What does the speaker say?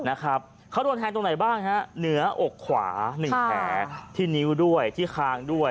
นะครับเขาโดนแทงตรงไหนบ้างฮะเหนืออกขวาหนึ่งแผลที่นิ้วด้วยที่คางด้วย